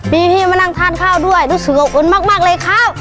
มีที่มานั่งทานข้าวด้วยรู้สึกอบอุ่นมากเลยครับ